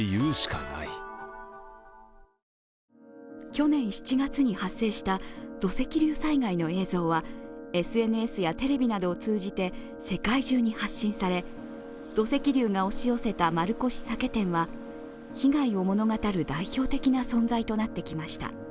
去年７月に発生した土石流災害の映像は、ＳＮＳやテレビなどを通じて世界中に発信され、土石流が押し寄せた丸越酒店は被害を物語る代表的な存在となってきました。